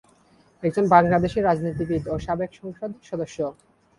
একজন বাংলাদেশী রাজনীতিবিদ ও সাবেক সংসদ সদস্য।